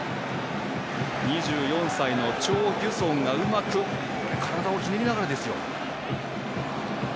２４歳のチョ・ギュソンがうまく体をひねりながらです。